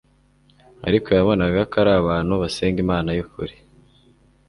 ariko yabonaga ko ari abantu basenga Imana y'ukuri.